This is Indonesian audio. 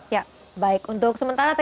ya baik untuk sementara terima kasih